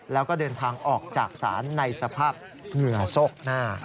แล้วก็เดินทางออกจากศาลในสภาพเหงื่อโซกหน้า